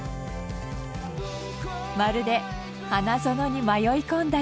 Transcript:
まるで花園に迷い込んだよう。